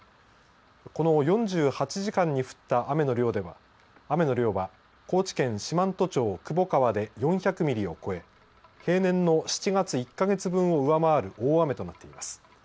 この４８時間に降った雨の量では雨の量は、高知県四万十町窪川で４００ミリを超え平年の７月、１か月分を上回る大雨となっています。